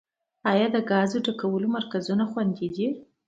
آیا د ګازو ډکولو مرکزونه خوندي دي؟